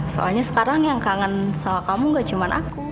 soalnya sekarang yang kangen sama kamu gak cuma aku